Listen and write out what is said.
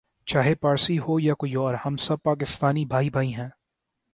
چاہے پارسی ہو یا کوئی اور ہم سب پاکستانی بھائی بھائی ہیں